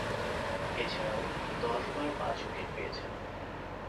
এছাড়াও দশবার পাঁচ উইকেট পেয়েছেন।